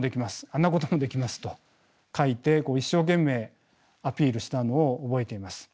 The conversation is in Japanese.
あんなこともできますと書いて一生懸命アピールしたのを覚えています。